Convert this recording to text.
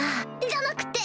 じゃなくて